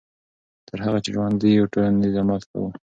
تر هغه چې ژوندي یو ټولنیز عمل کوو.